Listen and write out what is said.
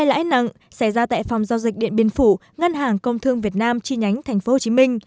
lãi nặng xảy ra tại phòng giao dịch điện biên phủ ngân hàng công thương việt nam chi nhánh tp hcm